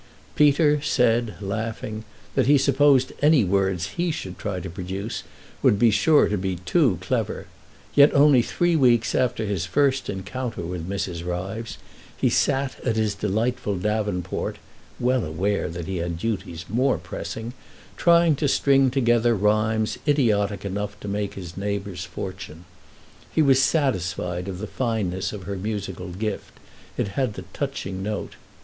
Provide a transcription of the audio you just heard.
Peter said, laughing, that he supposed any words he should try to produce would be sure to be too clever; yet only three weeks after his first encounter with Mrs. Ryves he sat at his delightful davenport (well aware that he had duties more pressing), trying to string together rhymes idiotic enough to make his neighbour's fortune. He was satisfied of the fineness of her musical gift—it had the touching note.